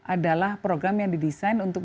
adalah program yang didesain untuk